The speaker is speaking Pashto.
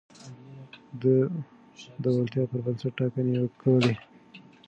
ده د وړتيا پر بنسټ ټاکنې کولې.